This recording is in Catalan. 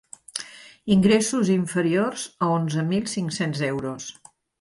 Ingressos inferiors a onzen mil cinc-cents euros.